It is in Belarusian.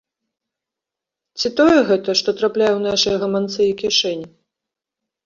Ці тое гэта, што трапляе ў нашыя гаманцы і кішэні?